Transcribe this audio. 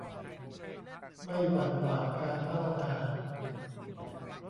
ไม่หวั่นหวาดการพัฒนา